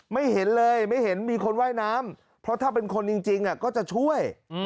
ไม่เห็นเลยไม่เห็นมีคนว่ายน้ำเพราะถ้าเป็นคนจริงก็จะช่วย